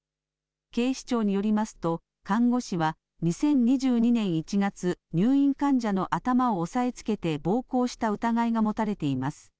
警視庁によりますと看護師は２０２２年１月、入院患者の頭を押さえつけて暴行した疑いが持たれています。